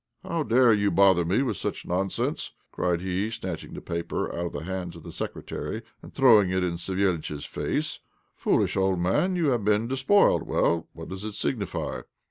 "How dare you bother me with such nonsense?" cried he, snatching the paper out of the hands of the Secretary and throwing it in Savéliitch's face. "Foolish old man, you have been despoiled; well, what does it signify.